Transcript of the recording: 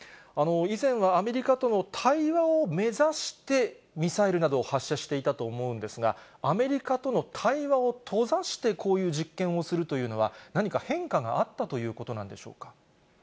以前はアメリカとの対話を目指してミサイルなどを発射していたと思うんですが、アメリカとの対話を閉ざして、こういう実験をするというのは、何か変化があったということなんでしょうか。